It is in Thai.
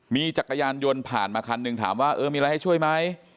มีจักรยานยนต์ผ่านมาคันหนึ่งถามว่าเออมีอะไรให้ช่วยไหม